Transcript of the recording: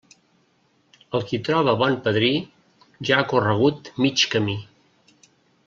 El qui troba bon padrí, ja ha corregut mig camí.